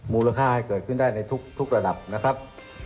มูลค่าให้เกิดขึ้นได้ในทุกระดับนะครับ